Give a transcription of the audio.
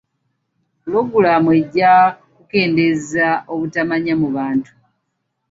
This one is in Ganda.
Puloogulaamu ejja kukendeeza obutamanya mu bantu.